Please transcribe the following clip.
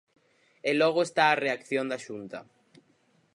E logo está a reacción da Xunta.